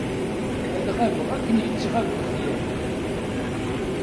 Ad ɣabeɣ akken yettɣab lexyal.